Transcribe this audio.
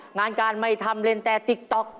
งานการไม่ทำเล่นแต่ติ๊กต๊อก